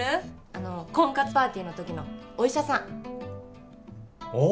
あの婚活パーティーの時のお医者さんあ